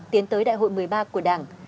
tiến tới đại hội một mươi ba của đảng